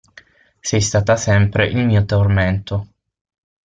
Sei stata sempre il mio tormento.